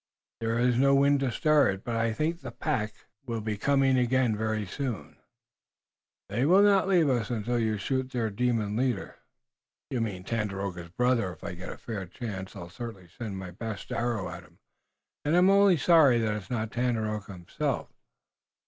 There is no wind to stir it. But I think the pack will be coming again very soon. They will not leave us until you shoot their demon leader." "You mean Tandakora's brother! If I get a fair chance I'll certainly send my best arrow at him, and I'm only sorry that it's not Tandakora himself.